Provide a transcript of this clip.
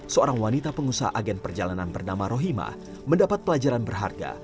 seorang wanita pengusaha agen perjalanan bernama rohimah mendapat pelajaran berharga